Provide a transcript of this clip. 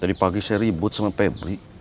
tadi pagi saya ribut sama pebri